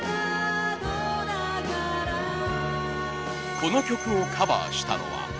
この曲をカバーしたのは。